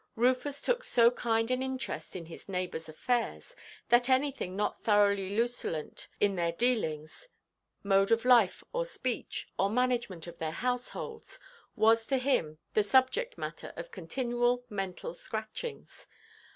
Rufus took so kind an interest in his neighbours' affairs, that anything not thoroughly luculent in their dealings, mode of life or speech, or management of their households, was to him the subject–matter of continual mental scratchings.